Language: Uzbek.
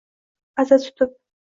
Aza tutib